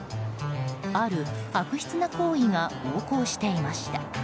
ある悪質な行為が横行していました。